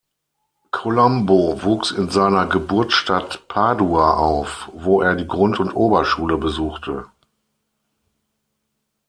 Colombo wuchs in seiner Geburtsstadt Padua auf, wo er die Grund- und Oberschule besuchte.